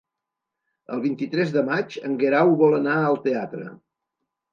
El vint-i-tres de maig en Guerau vol anar al teatre.